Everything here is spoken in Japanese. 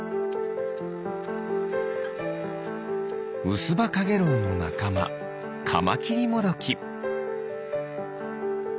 ウスバカゲロウのなかまカマキリモドキ。